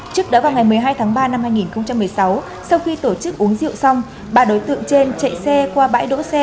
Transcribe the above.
trước đó vào ngày một mươi hai tháng ba năm hai nghìn một mươi sáu sau khi tổ chức uống rượu xong ba đối tượng trên chạy xe qua bãi đỗ xe